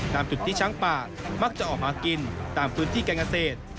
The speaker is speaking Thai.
ตามจุดที่ช้างป่ามักจะออกมากินตามพื้นที่การเกษตร